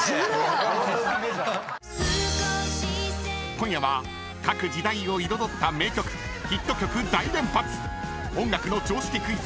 ［今夜は各時代を彩った名曲ヒット曲大連発！］